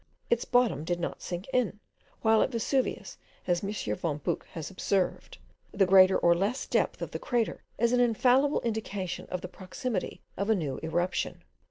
Its bottom did not sink in; while at Vesuvius, as M. von Buch has observed, the greater or less depth of the crater is an infallible indication of the proximity of a new eruption.